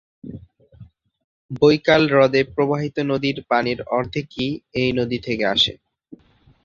বৈকাল হ্রদে প্রবাহিত নদীর পানির অর্ধেকই এই নদী থেকে আসে।